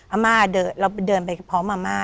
อาม่าเดินเราเดินไปพร้อมอาม่า